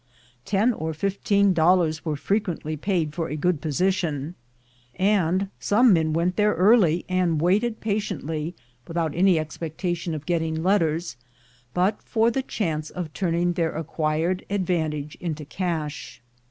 Ten or fifteen dollars were frequently paid for a good posi tion, and some men went there early, and waited pa LIFE AT HIGH SPEED 91 tiently, without any expectation of getting letters, but for the chance of turning their acquired advantage into cash.